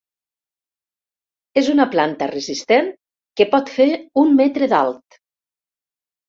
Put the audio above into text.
És una planta resistent que pot fer un metre d'alt.